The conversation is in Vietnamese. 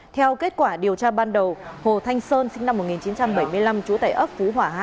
theo kết quả điều tra ban đầu hồ thanh sơn sinh năm một nghìn chín trăm bảy mươi năm trú tại ấp phú hỏa hai